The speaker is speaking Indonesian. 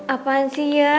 apaan sih ya